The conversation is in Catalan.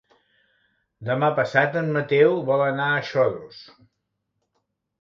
Demà passat en Mateu vol anar a Xodos.